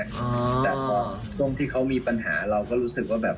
แต่พอช่วงที่เขามีปัญหาเราก็รู้สึกว่าแบบ